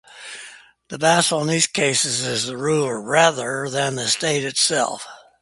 The vassal in these cases is the ruler, rather than the state itself.